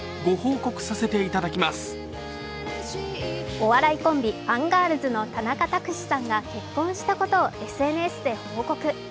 お笑いコンビ・アンガールズの田中卓志さんが結婚したことをＳＮＳで報告。